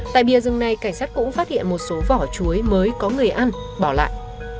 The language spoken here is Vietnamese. tại bìa rừng này cảnh sát cũng phát hiện một số vỏ chuối mới có người ăn bỏ lại